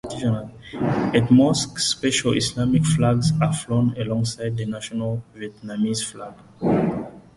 At mosques special Islamic flags are flown alongside the national Vietnamese flag.